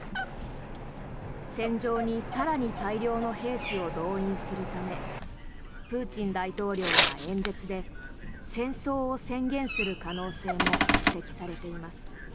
戦場に更に大量の兵士を動員するためプーチン大統領が演説で戦争を宣言する可能性も指摘されています。